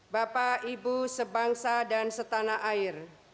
bapak ibu sebangsa dan setanah air